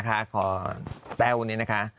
แล้วเป็นนี้นะคะ